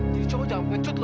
jadi coba jangan pengecut ngo